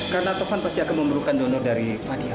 karena tovan pasti akan memerlukan donor dari fadil